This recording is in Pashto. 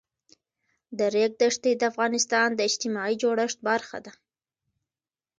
د ریګ دښتې د افغانستان د اجتماعي جوړښت برخه ده.